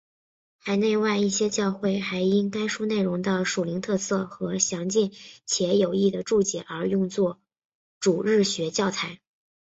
海内外一些教会还因该书内容的属灵特色和详尽且有益的注解而用作主日学教材。